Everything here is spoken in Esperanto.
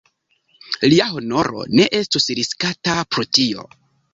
Lia honoro ne estus riskata pro tio.